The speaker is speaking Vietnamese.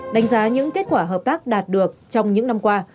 đánh giá những kết quả hợp tác đạt được trong những năm qua